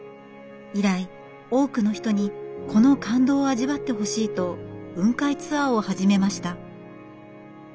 以来多くの人にこの感動を味わってほしいと雲海ツアーを始めました。